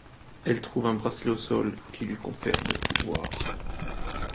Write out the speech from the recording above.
Elle trouve un bracelet au sol, qui lui confère des pouvoirs.